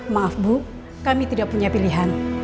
maaf bu kami tidak punya pilihan